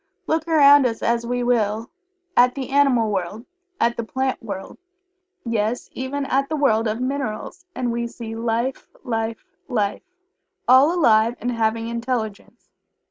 Look around us as we will at the animal world at the plant world yes, even at the world of minerals and we see life, life, life all alive and having intelligence.